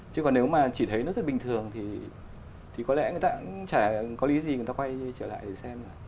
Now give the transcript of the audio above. chứ còn nếu mà chỉ thấy nó rất bình thường thì có lẽ người ta cũng chả có lý gì người ta quay trở lại để xem là